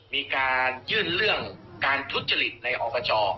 มีการยื่นเรื่องการทุชฎฤทธิ์ในอบัตร